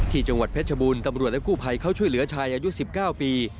จังหวัดเพชรบูรณ์ตำรวจและกู้ภัยเขาช่วยเหลือชายอายุ๑๙ปี